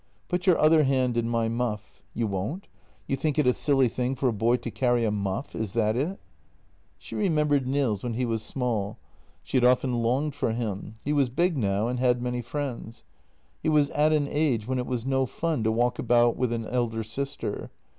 " Put your other hand in my muff. You won't? You think it a silly thing for a boy to carry a muff — is that it? " She remembered Nils when he was small; she had often longed for him. He was big now and had many friends; he was at an age when it was no fun to walk about with an elder sister.